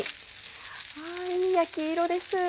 いい焼き色です。